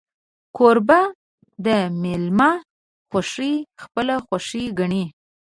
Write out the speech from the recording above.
کوربه د میلمه خوښي خپله خوښي ګڼي.